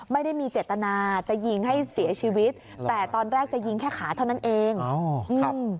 ไม่ได้มีเจตนาจะยิงให้เสียชีวิตแต่ตอนแรกจะยิงแค่ขาเท่านั้นเองอ๋อครับ